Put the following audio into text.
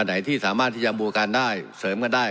ไหนที่สามารถที่จะบูกันได้เสริมกันได้